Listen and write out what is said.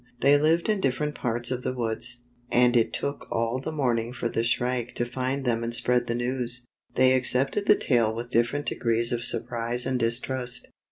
They lived in different parts of the woods, and it took all the morning for the Shrike to find them and spread the news. They accepted the tale with different degrees of surprise and distrust.